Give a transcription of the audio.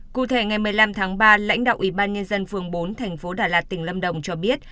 cụ thể ngày một mươi năm tháng ba lãnh đạo ủy ban nhân dân phường bốn thành phố đà lạt tỉnh lâm đồng cho biết